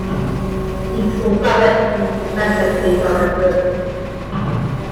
Ils sont par la suite massacrés par le peuple.